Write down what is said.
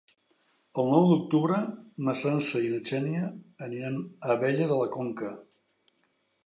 El nou d'octubre na Sança i na Xènia aniran a Abella de la Conca.